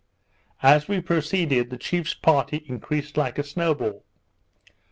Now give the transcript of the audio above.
As we proceeded, the chief's party increased like a snow ball.